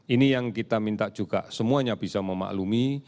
ini yang kita minta juga semuanya bisa memaklumi